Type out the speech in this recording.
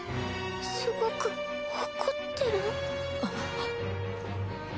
すごく怒ってる？えっ？